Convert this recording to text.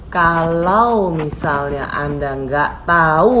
kalau misalnya anda gak tau